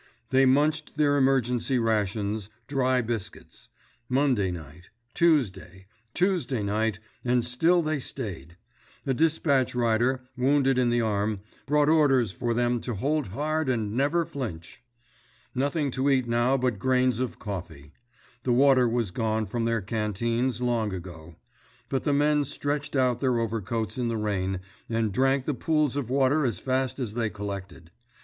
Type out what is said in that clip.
They munched their emergency rations, dry biscuits. Monday night, Tuesday, Tuesday night, and still they stayed. A dispatch rider, wounded in the arm, brought orders for them to hold hard and never flinch. Nothing to eat now but grains of coffee. The water was gone from their canteens, long ago; but the men stretched out their overcoats in the rain, and drank the pools of water as fast as they collected.